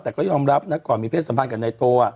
แต่ก็ยอมรับนะก่อนมีเพศสัมพันธ์กับนายโต